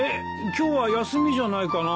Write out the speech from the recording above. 今日は休みじゃないかな。